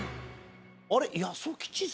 あれ？